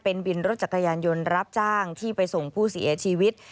เป็นวินรถจักรยานยนต์รับจ้างที่ไปส่งผู้เสียชีวิต